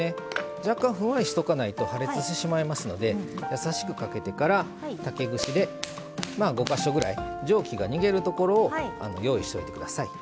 若干ふんわりしとかないと破裂してしまいますので優しくかけてから竹串でまあ５か所ぐらい蒸気が逃げるところを用意しといて下さい。